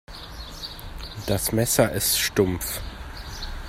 Das Messer ist stumpf.